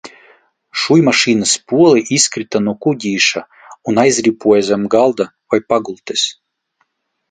Šujmašīnas spole izkrita no kuģīša un aizripoja zem galda vai pagultes.